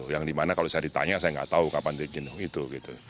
yang dimana kalau saya ditanya saya nggak tahu kapan dia jenuh itu